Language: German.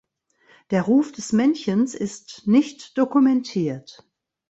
Der Ruf des Männchens ist nicht dokumentiert.